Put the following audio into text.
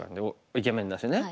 イケメンだしね。